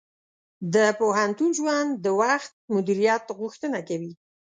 د پوهنتون ژوند د وخت مدیریت غوښتنه کوي.